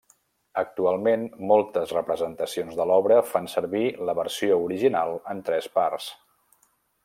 Actualment, moltes representacions de l'obra fan servir la versió original en tres parts.